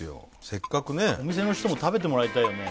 せっかくねえお店の人も食べてもらいたいよね